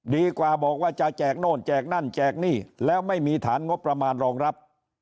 บอกว่าจะแจกโน่นแจกนั่นแจกหนี้แล้วไม่มีฐานงบประมาณรองรับ